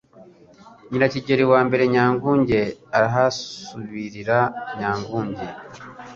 NYIRAKIGELI I NYANGUGE Arahasubirira Nyanguge